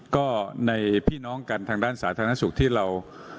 ก็ในพี่น้องกันทางด้านสาธารณสุขที่เรา